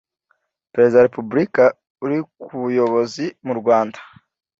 Perezida wa Repubulika uri ku buyobozi mu rwanda